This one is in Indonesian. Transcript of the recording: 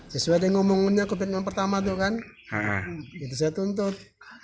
sesuai dengan ngomongannya ktp pertama itu saya tuntut